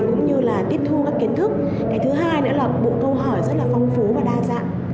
cũng như là tiếp thu các kiến thức cái thứ hai nữa là bộ câu hỏi rất là phong phú và đa dạng